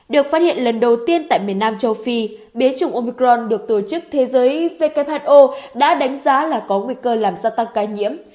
được phát hiện lần đầu tiên tại miền nam châu phi biến chủng omicron được tổ chức thế giới who đã đánh giá là có nguy cơ làm gia tăng ca nhiễm